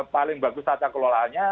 paling bagus tata kelolaannya